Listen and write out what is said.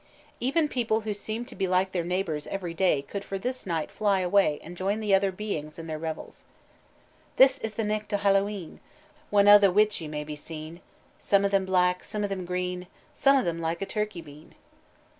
Even people who seemed to be like their neighbors every day could for this night fly away and join the other beings in their revels. "This is the nicht o' Hallowe'en When a' the witchie may be seen; Some o' them black, some o' them green, Some o' them like a turkey bean."